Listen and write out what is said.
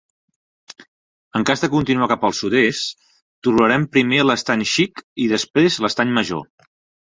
En cas de continuar cap al sud-est, trobarem primer l'Estany Xic i després l'Estany Major.